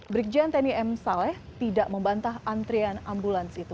brigjen teni m saleh tidak membantah antrian ambulans itu